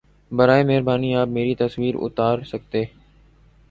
براہ مہربانی آپ میری تصویر اتار سکتے